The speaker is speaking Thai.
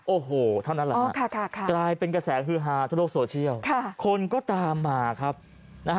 โอ้โหเท่านั้นแหละฮะกลายเป็นกระแสฮือฮาทั่วโลกโซเชียลคนก็ตามมาครับนะฮะ